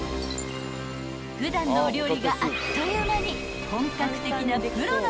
［普段のお料理があっという間に］